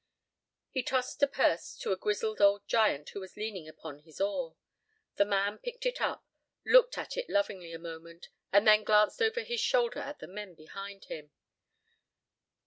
He tossed a purse to a grizzled old giant who was leaning upon his oar. The man picked it up, looked at it lovingly a moment, and then glanced over his shoulder at the men behind him.